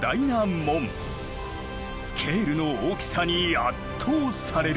スケールの大きさに圧倒される。